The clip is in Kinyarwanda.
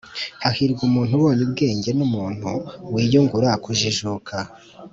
“hahirwa umuntu ubonye ubwenge, n’umuntu wiyungura kujijuka.